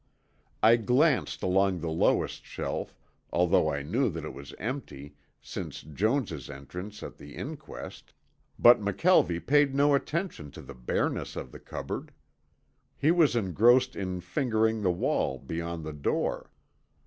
I glanced along the lowest shelf, although I knew that it was empty since Jones' entrance at the inquest, but McKelvie paid no attention to the bareness of the cupboard. He was engrossed in fingering the wall beyond the door.